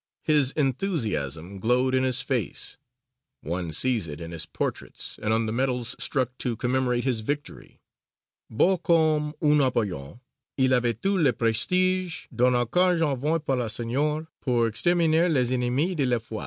His enthusiasm glowed in his face: one sees it in his portraits and on the medals struck to commemorate his victory. "Beau comme un Apollon, il avait tout le prestige d'un archange envoyé par le Seigneur pour exterminer les ennemis de la Foi."